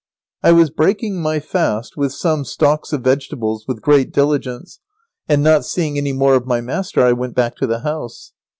I was breaking my fast with some stalks of vegetables with great diligence, and not seeing any more of my master I went back to the house.